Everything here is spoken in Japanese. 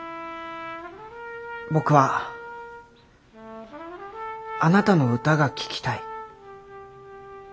僕はあなたの歌が聴きたい。